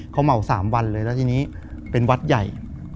เขาเหมา๓วันเลยแล้วทีนี้เป็นวัดใหญ่